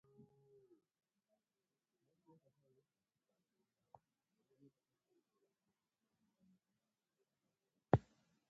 He was the successor of Vauban.